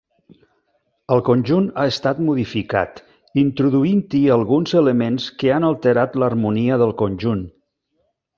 El conjunt ha estat modificat, introduint-hi alguns elements que han alterat l'harmonia del conjunt.